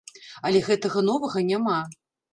Але гэтага новага няма!